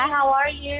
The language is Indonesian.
hai apa kabar